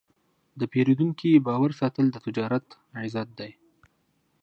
د پیرودونکي باور ساتل د تجارت عزت دی.